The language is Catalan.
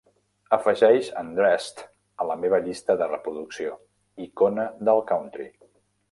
Afegeix "Undressed" a la meva llista de reproducció "Icona del country".